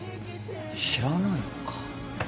知らないのか。